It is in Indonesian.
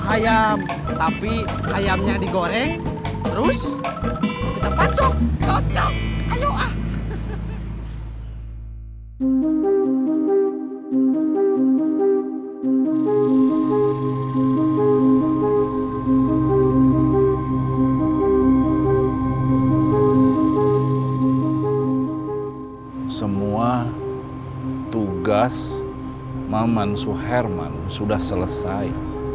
ayam tapi ayamnya digoreng terus semua tugas maman suherman sudah selesai